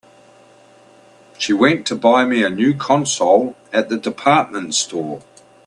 She went to buy me a new console at the department store.